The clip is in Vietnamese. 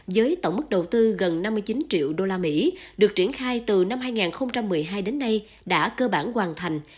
với tổng mức đầu tư gần năm mươi chín triệu usd được triển khai từ năm hai nghìn một mươi hai đến nay đã cơ bản hoàn thành